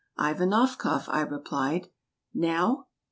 "Ivanofka," I replied. "Now?"